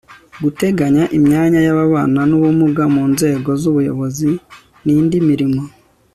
guteganya imyanya y'ababana n'ubumuga mu nzego z'ubuyobozi n'indi mirimo